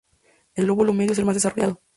El lóbulo medio es el más desarrollado.